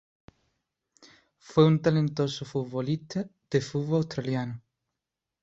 Fue un talentoso futbolista de fútbol australiano.